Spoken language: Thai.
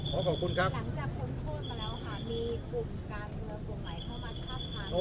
ขอบคุณครับหลังจากพ้นโทษมาแล้วค่ะมีกลุ่มการเมืองกลุ่มไหนเข้ามาทาบทาม